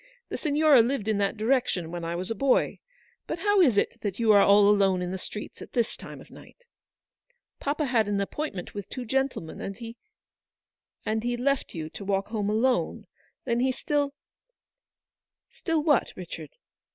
The Signora lived in that direction when I was a boy. But how is it that you are all alone in the streets at this time of night ?"" Papa had an appointment with two gentle men, and he — u " And he left you to walk home alone. Then he still —^" Still what, Richard